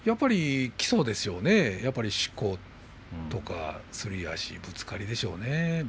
そうですね、しことかすり足、ぶつかりでしょうね。